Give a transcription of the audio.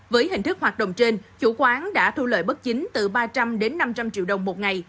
với hình thức hoạt động trên chủ quán đã thu lợi bất chính từ ba trăm linh đến năm trăm linh triệu đồng một ngày